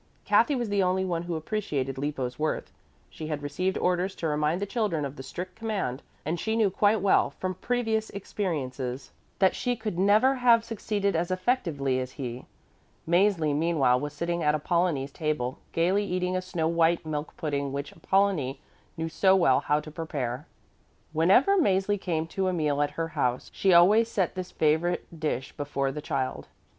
Kathy was the only one who appreciated Lippo's worth. She had received orders to remind the children of the strict command, and she knew quite well from previous experiences that she could never have succeeded as effectively as he. Mäzli, meanwhile, was sitting at Apollonie's table, gayly eating a snow white milk pudding which Apollonie knew so well how to prepare. Whenever Mäzli came to a meal at her house, she always set this favorite dish before the child.